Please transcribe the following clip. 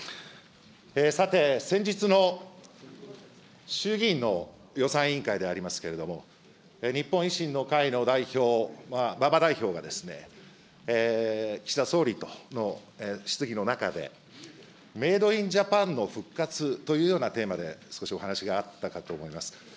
さて、先日の衆議院の予算委員会でありますけれども、日本維新の会の代表、馬場代表がですね、岸田総理との質疑の中で、メイドインジャパンの復活というようなテーマで、少しお話があったかと思います。